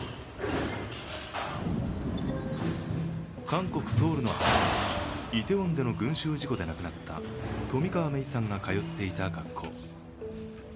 韓国ソウルの繁華街イテウォンの群集事故で亡くなった冨川芽生さんが通っていた学校。